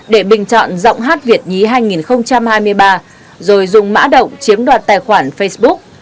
đoạn giọng hát việt nhí hai nghìn hai mươi ba rồi dùng mã động chiếm đoạt tài khoản facebook